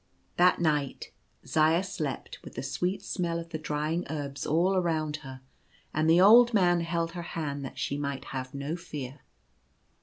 That night Zaya slept with the sweet smell of the drying herbs all around her ; and the old man held her hand that she might have no fear.